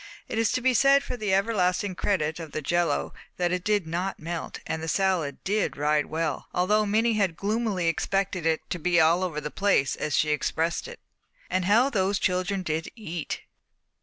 It is to be said for the everlasting credit of the jello that it did not melt, and the salad did ride well, although Minnie had gloomily expected it to be "all over the place" as she expressed it. How those children did eat!